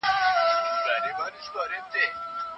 او څلور ناولونه یې چاپ کړل.